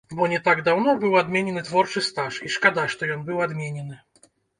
Бо не так даўно быў адменены творчы стаж, і шкада, што ён быў адменены.